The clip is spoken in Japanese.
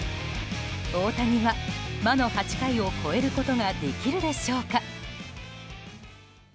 大谷は魔の８回を超えることができるでしょうか。